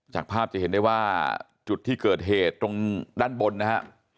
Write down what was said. จากภาพจะเห็นได้ว่าจุดที่เกิดเหตุตรงด้านบนนะฮะ